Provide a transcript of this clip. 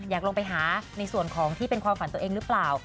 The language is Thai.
อยากลงไปหาในส่วนของที่เป็นความฝันตัวเองหรือเปล่า